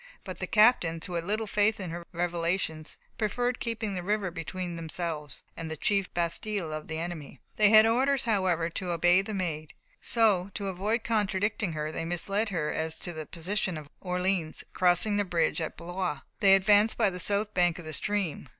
But the captains, who had little faith in her revelations, preferred keeping the river between themselves and the chief bastiles of the enemy. They had orders, however, to obey the Maid, so, to avoid contradicting her, they misled her as to the position of Orleans; crossing the bridge at Blois, they advanced by the south bank of the stream.